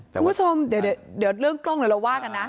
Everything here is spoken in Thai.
คุณผู้ชมเดี๋ยวเรื่องกล้องเดี๋ยวเราว่ากันนะ